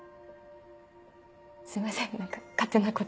すいません何か勝手なこと。